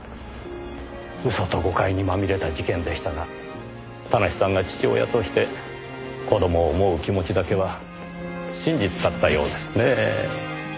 嘘と誤解にまみれた事件でしたが田無さんが父親として子供を思う気持ちだけは真実だったようですねぇ。